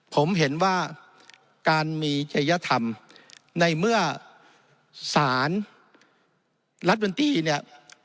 ผมเห็นว่าการมีจริยธรรมในเมื่อสารรัฐบนตรีเนี่ย